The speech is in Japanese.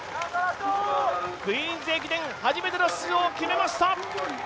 クイーンズ駅伝、初めての出場を決めました。